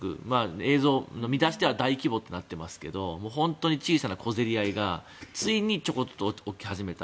映像、見出しでは大規模となっていますが本当に小さな小競り合いがついにちょこっと起き始めた。